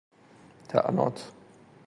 طعنات